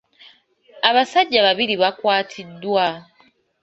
Abasajja babiri bakwatiddwa.